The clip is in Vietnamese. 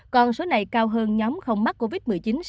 còn số này cao hơn nhóm không mắc covid một mươi chín